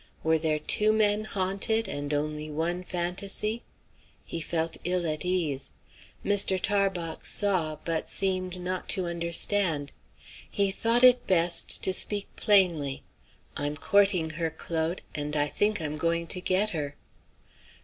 Were there two men haunted, and only one fantasy? He felt ill at ease. Mr. Tarbox saw, but seemed not to understand. He thought it best to speak plainly. "I'm courting her, Claude; and I think I'm going to get her."